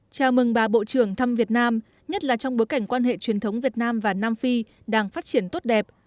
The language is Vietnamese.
chào mừng bà bộ trưởng thăm việt nam nhất là trong bối cảnh quan hệ truyền thống việt nam và nam phi đang phát triển tốt đẹp